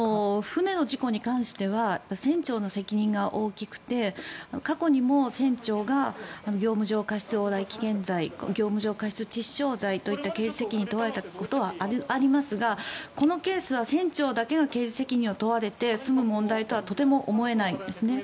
船の事故に関しては船長の責任が大きくて過去にも船長が業務上過失往来危険罪業務上過失致死傷罪という刑事責任に問われたことはありますがこのケースは船長だけの責任を問われて済む問題とはとても思えないですね。